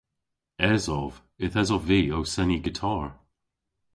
Esov. Yth esov vy ow seni gitar.